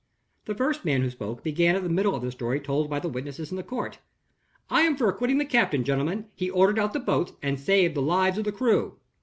The first man who spoke began at the middle of the story told by the witnesses in court. "I am for acquitting the captain, gentlemen; he ordered out the boats, and saved the lives of the crew."